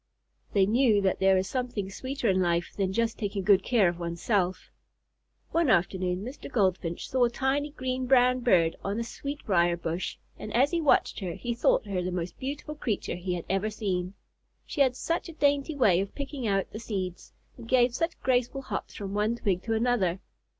They knew that there is something sweeter in life than just taking good care of one's self. One afternoon Mr. Goldfinch saw a tiny green brown bird on a sweetbriar bush, and as he watched her he thought her the most beautiful creature he had ever seen. She had such a dainty way of picking out the seeds, and gave such graceful hops from one twig to another.